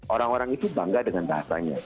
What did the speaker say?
orang orang itu bangga dengan bahasanya